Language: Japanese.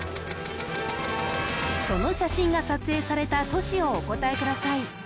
その写真が撮影された都市をお答えください